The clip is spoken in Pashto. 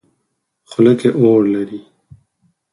خوله کې اور لري.